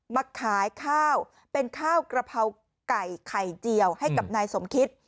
มาขายข้าวเป็นข้าวกระเพราไก่ไข่เจียวให้กับนายสมคิต